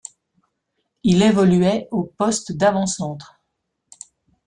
Il évoluait au poste d'avant-centre.